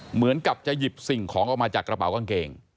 เหมือนกับจะหยิบสิ่งของออกมาจากกระเป๋ากางเกง